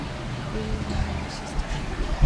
Willy's younger sister, Rose, shows up unexpectedly.